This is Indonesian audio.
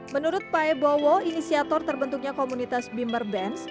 menurut pae bowo inisiator terbentuknya komunitas beamer benz